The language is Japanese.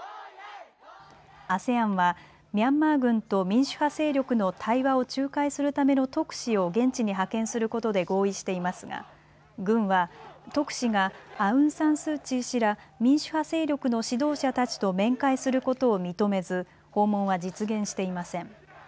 ＡＳＥＡＮはミャンマー軍と民主化勢力の対話を仲介するための特使を現地に派遣することで合意していますが軍は特使がアウン・サン・スー・チー氏ら民主派勢力の指導者たちと面会することを認めず訪問は実現していません。